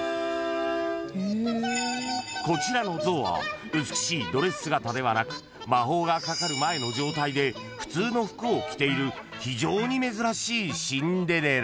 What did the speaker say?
［こちらの像は美しいドレス姿ではなく魔法がかかる前の状態で普通の服を着ている非常に珍しいシンデレラ］